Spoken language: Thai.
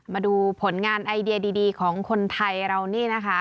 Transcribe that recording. มาดูผลงานไอเดียดีของคนไทยเรานี่นะคะ